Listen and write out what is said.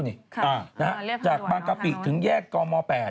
ครับเรียกทางด่วนทางด่วนครับจากบางกะปิถึงแยกกองม๘